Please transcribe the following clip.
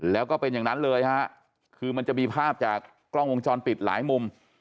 แล้วก็เป็นอย่างนั้นเลยฮะคือมันจะมีภาพจากกล้องวงจรปิดหลายมุม